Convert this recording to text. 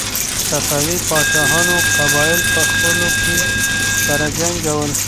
صفوي پاچاهانو قبایل په خپلو کې سره جنګول.